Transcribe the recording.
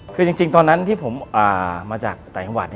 คือจริงตอนนั้นที่ผมมาจากไตรงวัด